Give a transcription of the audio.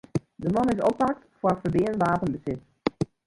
De man is oppakt foar ferbean wapenbesit.